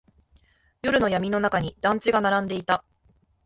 夜の闇の中に団地が並んでいた。